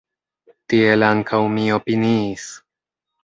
Tiel ankaŭ mi opiniis.